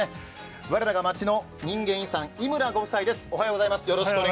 我らが町の人間遺産、井村ご夫妻です。